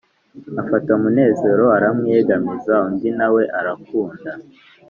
afata munezero aramwiyegamiza undi na we arakunda